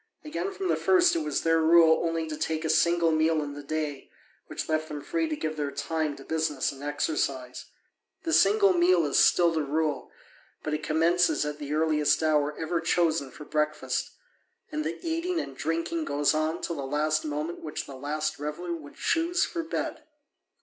Again, from the first it was their rule only to take a single meal in the day, which left them free to give their time to business and exercise. The single meal is still the rule, but it commences at the earliest hour ever chosen for breakfast, and the eating and drinking goes on till the last moment which the latest reveller would choose for bed.